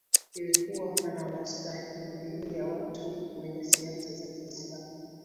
ilikuwa inawastahamilia watu wenye siasa za Kiislamu